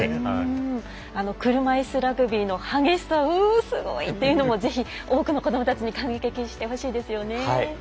車いすラグビーの激しさをおお、すごいというのを多くの子どもたちに感激してほしいですよね。